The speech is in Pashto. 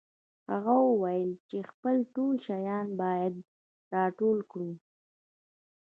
هغه وویل چې خپل ټول شیان باید راټول کړو